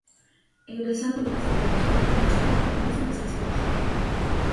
Egresando además de Pedagogía en Filosofía en la misma casa de estudios.